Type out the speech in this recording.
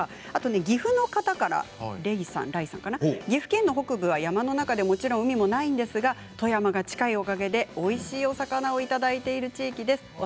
あと岐阜の方から岐阜県の北部は山の中でもちろん海もないんですが富山が近いおかげでおいしいお魚をいただいている地域です。